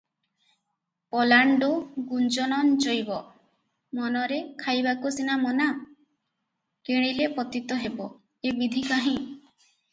"ପଲାଣ୍ଡୁ ଗୁଞ୍ଜନଞ୍ଚୈବ" ---ମନରେ ଖାଇବାକୁ ସିନା ମନା, କିଣିଲେ ପତିତ ହେବ, ଏ ବିଧି କାହିଁ?